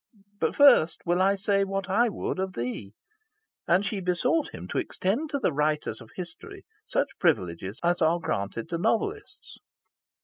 But first will I say what I would of thee"; and she besought him to extend to the writers of history such privileges as are granted to novelists.